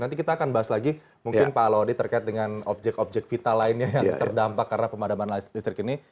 nanti kita akan bahas lagi mungkin pak laudi terkait dengan objek objek vital lainnya yang terdampak karena pemadaman listrik ini